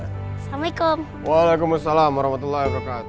assalamu'alaikum wa'alaikumussalam warahmatullahi wabarakatuh